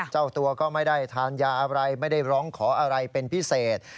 เจ้าตัวก็ไม่ได้ทานยาอะไรไม่ได้ร้องขออะไรเป็นพิเศษ